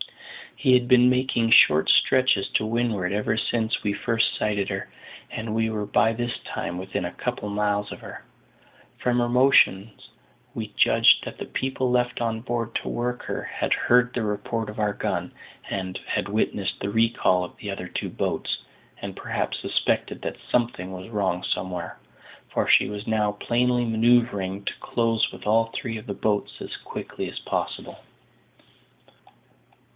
She had been making short stretches to windward ever since we first sighted her, and we were by this time within a couple of miles of her. From her motions we judged that the people left on board to work her had heard the report of our gun, and had witnessed the recall of the other two boats, and perhaps suspected that something was wrong somewhere, for she was now plainly manoeuvring to close with all three of the boats as quickly as possible.